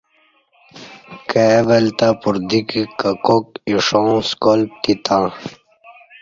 کائی ول تں پردیکی ککاک ایݜاں سکال پتی تں